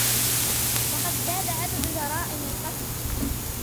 وقد زاد عدد جرائم القتل.